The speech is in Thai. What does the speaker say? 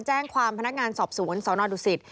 แจ้งความพนักงานสอบสวนสนดุสิต